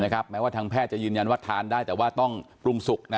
แม้ว่าทางแพทย์จะยืนยันว่าทานได้แต่ว่าต้องปรุงสุก